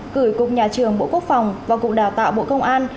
gửi cục nhà trường bộ quốc phòng và cục đào tạo bộ công an